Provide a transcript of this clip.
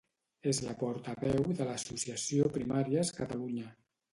És la portaveu de l'associació Primàries Catalunya.